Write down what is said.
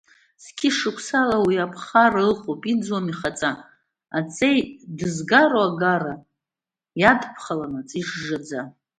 Зқьышықәсала уи аԥхара иҟоуп, иӡуам, ихаҵа, Аҵеи дызгароу агара иадԥхалонаҵ ижжаӡа!